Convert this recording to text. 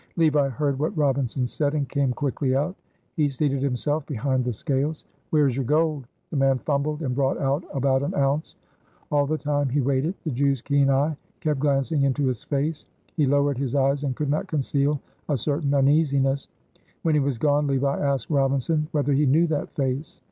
Levi heard what Robinson said, and came quickly out. He seated himself behind the scales. "Where is your gold?" The man fumbled and brought out about an ounce. All the time he weighed it, the Jew's keen eye kept glancing into his face he lowered his eyes and could not conceal a certain uneasiness. When he was gone, Levi asked Robinson whether he knew that face.